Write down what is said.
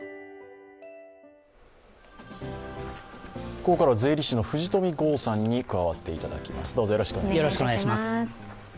ここからは税理士の藤富郷さんに加わっていただきます。